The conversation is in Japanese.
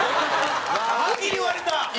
はっきり言われた！